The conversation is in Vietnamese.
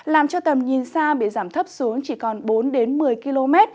làm cho tầm nhìn xa bị giảm thấp xuống chỉ còn bốn đến một mươi km